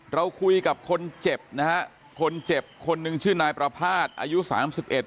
เราคุยกับคนเจ็บนะฮะคนเจ็บคนหนึ่งชื่อนายประภาษณ์อายุสามสิบเอ็ด